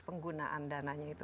penggunaan dananya itu